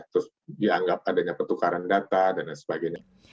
terus dianggap adanya pertukaran data dan lain sebagainya